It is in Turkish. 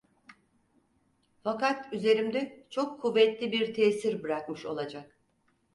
Fakat üzerimde çok kuvvetli bir tesir bırakmış olacak.